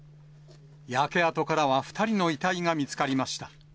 焼け跡からは２人の遺体が見つかりました。